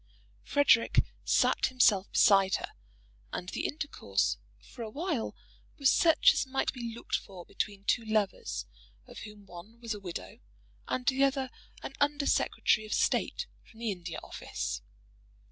"Frederic" sat himself beside her, and the intercourse for awhile was such as might be looked for between two lovers of whom one was a widow, and the other an Under Secretary of State from the India Office.